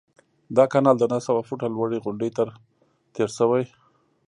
دا کانال د نهه سوه فوټه لوړې غونډۍ تیر شوی.